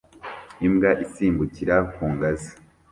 Imbwa isimbukira ku ngazi